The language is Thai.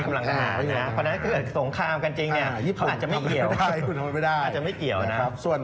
เพราะฉะนั้นถ้าเกิดสงครามกันจริงเนี่ยเขาอาจจะไม่เหี้ยว